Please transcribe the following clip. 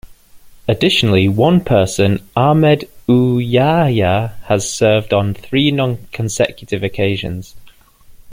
Additionally, one person, Ahmed Ouyahia, has served on three non-consecutive occasions.